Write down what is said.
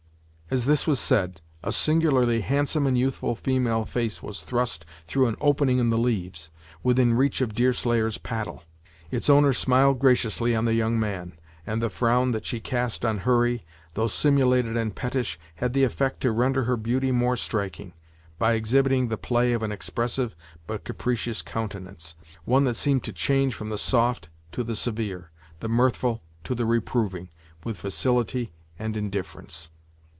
As this was said, a singularly handsome and youthful female face was thrust through an opening in the leaves, within reach of Deerslayer's paddle. Its owner smiled graciously on the young man; and the frown that she cast on Hurry, though simulated and pettish, had the effect to render her beauty more striking, by exhibiting the play of an expressive but capricious countenance; one that seemed to change from the soft to the severe, the mirthful to the reproving, with facility and indifference.